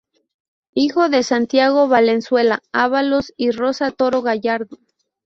Hijo de Santiago Valenzuela Avalos y Rosa Toro Gallardo.